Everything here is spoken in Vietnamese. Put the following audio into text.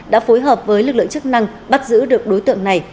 đã phối hợp với lực lượng chức năng bắt giữ được đối tượng này